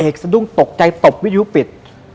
เอกสะดวงตกใจตบชุดวิทยุฟิต